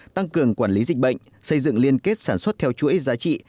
tăng cường quản lý dịch bệnh xây dựng liên kết sản xuất theo chuỗi giá trị